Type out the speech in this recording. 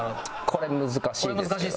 これ難しいですけど。